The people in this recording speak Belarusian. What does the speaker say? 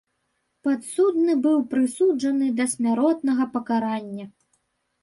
Падсудны быў прысуджаны да смяротнага пакарання.